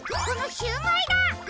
このシューマイだ！